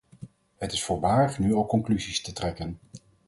Het is voorbarig nu al conclusies te trekken.